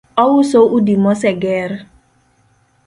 Ouso udi moseger